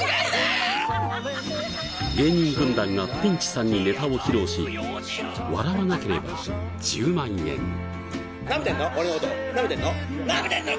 芸人軍団がピンチさんにネタを披露し笑わなければ１０万円なめてんの？